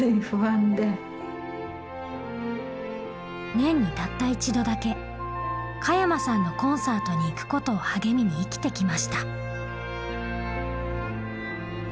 年にたった一度だけ加山さんのコンサートに行くことを励みに生きてきました。